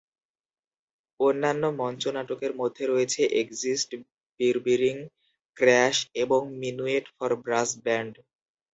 অন্যান্য মঞ্চ নাটকের মধ্যে রয়েছে "এক্সিট বিড়বিড়িং", "ক্র্যাশ", এবং "মিনুয়েট ফর ব্রাস ব্যান্ড"।